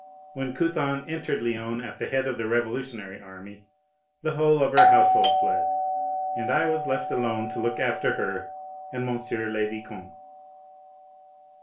When Couthon entered Lyons at the head of the revolutionary army, the whole of her household fled, and I was left alone to look after her and M. le Vicomte.